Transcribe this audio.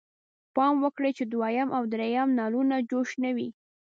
پام وکړئ چې دویم او دریم نلونه جوش نه وي.